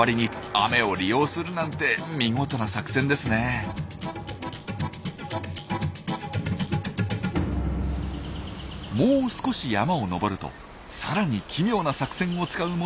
もう少し山を登るとさらに奇妙な作戦を使うものが現れました。